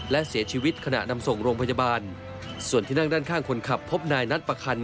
และเสียชีวิตขณะนำส่งโรงพยาบาลส่วนที่นั่งด้านข้างคนขับพบนายนัดประคัน